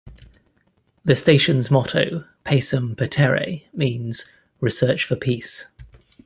The station's motto "Pacem Petere" means "Research For Peace".